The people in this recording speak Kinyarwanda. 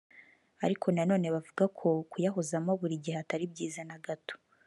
ariko na none bavuga ko kuyahozamo buri gihe atari byiza na gato